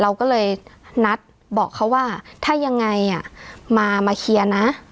เราก็เลยนัดบอกเขาว่าถ้ายังไงมาเคลียร์นะ